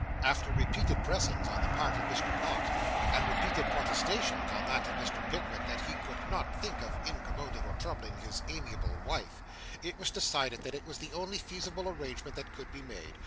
After repeated pressings on the part of Mr. Pott, and repeated protestations on that of Mr. Pickwick that he could not think of incommoding or troubling his amiable wife, it was decided that it was the only feasible arrangement that could be made.